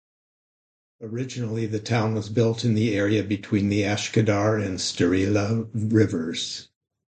Originally the town was built in the area between the Ashkadar and Sterlya Rivers.